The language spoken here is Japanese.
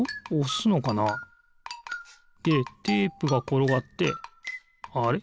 でテープがころがってあれ？